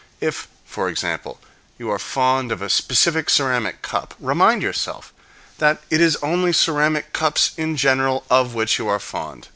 If, for example, you are fond of a specific ceramic cup, remind yourself that it is only ceramic cups in general of which you are fond.